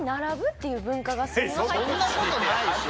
そんなことないでしょ。